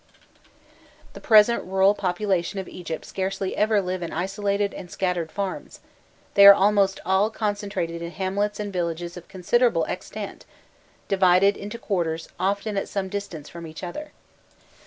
The present rural population of Egypt scarcely ever live in isolated and scattered farms; they are almost all concentrated in hamlets and villages of considerable extent, divided into quarters often at some distance from each other.